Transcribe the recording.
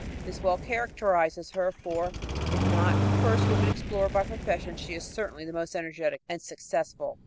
This well characterizes her; for, if not the first woman explorer by profession, she is certainly the most energetic and successful.